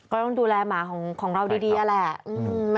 ก็ต้องดูแลหมาของเราดีนั่นแหละ